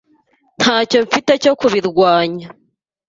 Ntacyo mfite cyo kubirwanya.